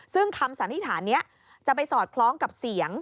ซึ่งคำสันนิษฐานเนี่ย